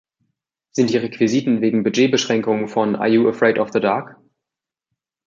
Sind die Requisiten wegen Budgetbeschränkungen von "Are You Afraid of the Dark"?